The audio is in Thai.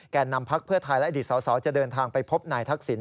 แก่นำพักเพื่อทายและอดีตสาวจะเดินทางไปพบนายทักศิลป์